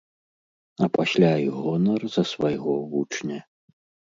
А пасля і гонар за свайго вучня.